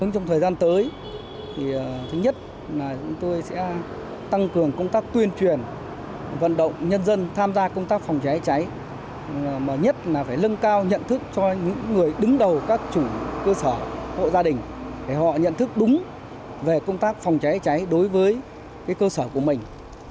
trong thời gian tới thứ nhất là chúng tôi sẽ tăng cường công tác tuyên truyền vận động nhân dân tham gia công tác phòng cháy cháy mà nhất là phải lưng cao nhận thức cho những người đứng đầu các chủ cơ sở hộ gia đình để họ nhận thức đúng về công tác phòng cháy cháy đối với cơ sở của mình